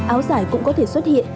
áo giải cũng có thể xuất hiện